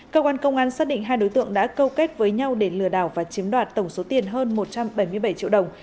cơ quan công an xác định hai đối tượng đã câu kết với nhau để lừa đảo và chiếm đoạt tổng số tiền hơn một trăm bảy mươi bảy triệu đồng